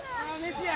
飯や！